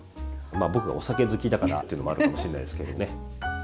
まあ僕がお酒好きだからというのもあるかもしれないですけどね。